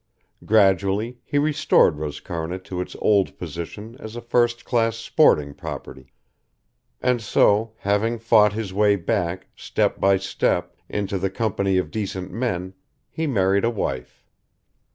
Gradually he restored Roscarna to its old position as a first class sporting property; and so, having fought his way back, step by step, into the company of decent men, he married a wife.